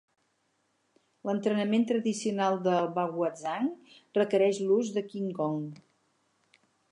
L'entrenament tradicional del baguazhang requereix l'ús del qinggong.